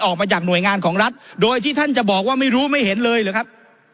ออกมาจากหน่วยงานของรัฐโดยที่ท่านจะบอกว่าไม่รู้ไม่เห็นเลยหรือครับ